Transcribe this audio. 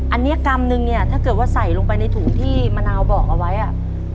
อันนี้กรัมนึงเนี่ยถ้าเกิดว่าใส่ลงไปในถุงที่มะนาวบอกเอาไว้อ่ะ